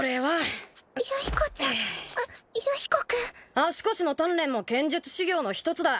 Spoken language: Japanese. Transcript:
足腰の鍛錬も剣術修行の一つだ。